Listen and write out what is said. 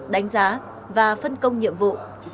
đánh giá và phân công nhiệm vụ